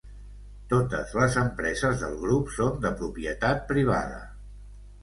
Totes les empreses del grup són de propietat privada.